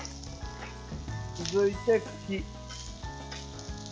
続いて、茎。